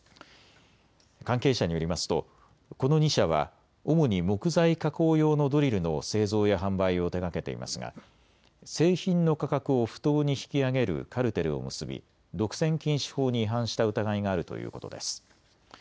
関係者によりますとこの２社は主に木材加工用のドリルの製造や販売を手がけていますが製品の価格を不当に引き上げるカルテルを結び独占禁止法に違反した疑いがあるということです。